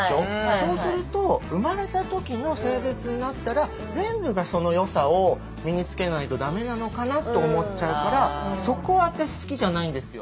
そうすると生まれた時の性別になったら全部がその良さを身につけないとダメなのかなと思っちゃうからそこ私好きじゃないんですよ。